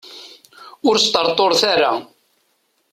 Ur sṭerṭuret ara.